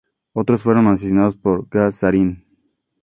Otros fueron asesinados por gas sarín.